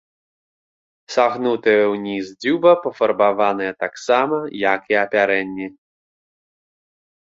Сагнутая ўніз дзюба пафарбаваная таксама, як і апярэнне.